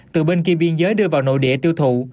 từ bên kia biên giới đưa vào nội địa tiêu thụ